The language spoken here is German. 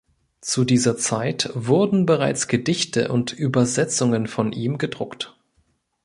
Zu dieser Zeit wurden bereits Gedichte und Übersetzungen von ihm gedruckt.